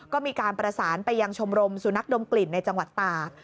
ก็มีการประสานไปยังชมรมสุนัขดมกลิ่นในจังหวัดตาก